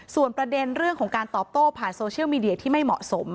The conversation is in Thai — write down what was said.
ส่วนประเด็นเรื่องของการตอบโต้ผ่านโซเชียลมีเดียที่ไม่เหมาะสม